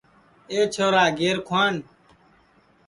اے چھورا گیر کُھوان